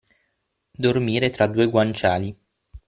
Dormire tra due guanciali.